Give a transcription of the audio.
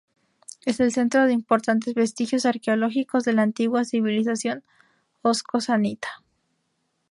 Es el centro de importantes vestigios arqueológicos de la antigua civilización osco-sannita.